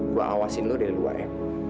gue awasin lo dari luar ya